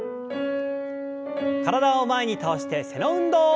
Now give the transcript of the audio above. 体を前に倒して背の運動。